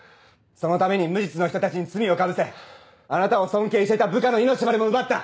そのために無実の人たちに罪をかぶせあなたを尊敬してた部下の命までも奪った！